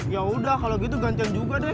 yaudah kalo gitu gantian juga deh